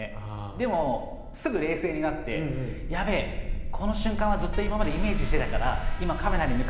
でもすぐ冷静になって「やべえ！この瞬間はずっと今までイメージしてたから」